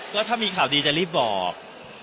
ก็ถ้ามีข่าวดีจะรีบบอก